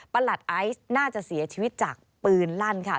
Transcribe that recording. หลัดไอซ์น่าจะเสียชีวิตจากปืนลั่นค่ะ